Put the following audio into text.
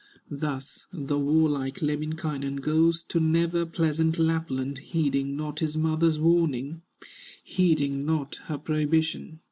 Thus the warlike Lemminkainen Goes to never pleasant Lapland, Heeding not his mother's warning, Heeding not her prohibition.